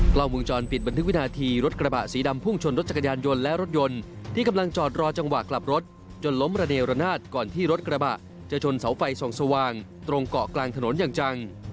กล้องวงจรปิดบันทึกวินาทีรถกระบะสีดำพุ่งชนรถจักรยานยนต์และรถยนต์ที่กำลังจอดรอจังหวะกลับรถจนล้มระเนรนาศก่อนที่รถกระบะจะชนเสาไฟส่องสว่างตรงเกาะกลางถนนอย่างจัง